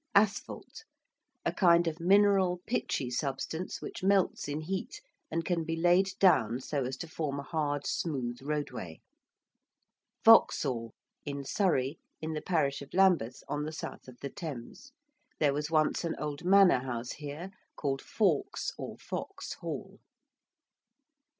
~asphalt~: a kind of mineral pitchy substance which melts in heat and can be laid down so as to form a hard, smooth roadway. ~Vauxhall~: in Surrey, in the parish of Lambeth, on the south of the Thames. There was once an old manor house here called Faukes or Fox Hall.